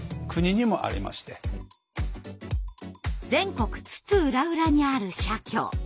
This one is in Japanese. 全国津々浦々にある社協。